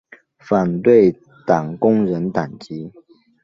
反对党工人党籍。